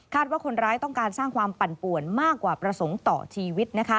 ว่าคนร้ายต้องการสร้างความปั่นป่วนมากกว่าประสงค์ต่อชีวิต